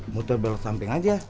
muter belakang samping aja